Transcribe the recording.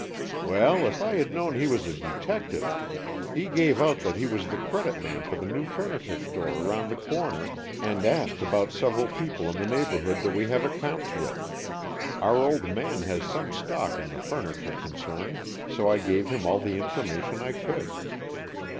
"Well, if I had known he was a detective! He gave out that he was the credit man for the new furniture store around the corner, and asked about several people in the neighborhood that we have accounts with. Our old man has some stock in the furniture concern, so I gave him all the information I could."